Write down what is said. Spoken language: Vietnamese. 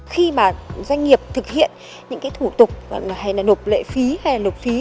khi mà doanh nghiệp thực hiện những cái thủ tục hay là nộp lệ phí hay là nộp phí